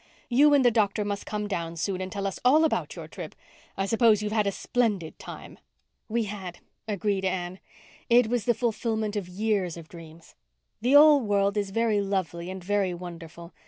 You and the doctor must come down soon and tell us all about your trip. I suppose you've had a splendid time." "We had," agreed Anne. "It was the fulfilment of years of dreams. The old world is very lovely and very wonderful.